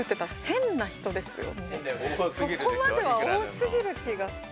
そこまでは多すぎる気がする。